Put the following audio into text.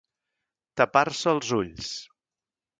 Tapar-se els ulls.